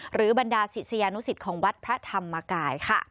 บรรดาศิษยานุสิตของวัดพระธรรมกายค่ะ